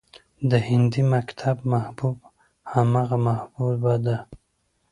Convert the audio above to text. د هندي مکتب محبوب همغه محبوبه ده